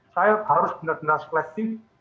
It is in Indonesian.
saya harus benar benar flashting